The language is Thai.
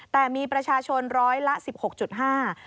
แต่มีประชาชนร้อยละ๑๖๕บาท